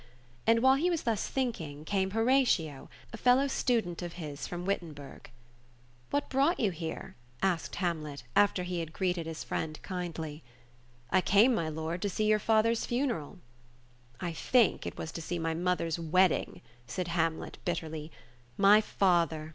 And while he was thus thinking came Horatio, a fellow student of his, from Wittenberg. "What brought you here?'' asked Hamlet, when he had greeted his friend kindly. "I came, my lord, to see your father's funeral." I think it was to see my mother's wedding," said Hamlet, bit terly. "My father!